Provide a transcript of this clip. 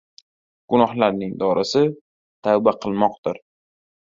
• Gunohlarning dorisi — tavba qilmoqdir.